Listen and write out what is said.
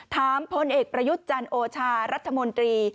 ถามพลเอกประยุจจันโอชารัฐมนตรี